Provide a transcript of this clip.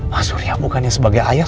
mas surya bukannya sebagai ayah